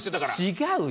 違うよ。